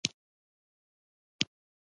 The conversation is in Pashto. چې د مولويانو په شان يې سپين دستار تړلى و.